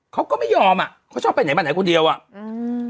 เขาก็ไม่ยอมอ่ะเขาชอบไปไหนมาไหนคนเดียวอ่ะอืม